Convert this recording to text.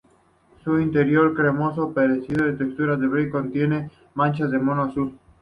Su interior cremoso, parecido en textura al Brie, contiene manchas de moho azul.